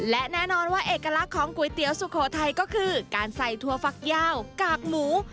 และแน่นอนว่าเอกลักษณ์ของก๋วยเตี๋ยวสุโขทัยก็คือการใส่ถั่วฟักยาวกากหมู